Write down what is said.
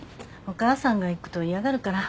お母さんが行くと嫌がるから。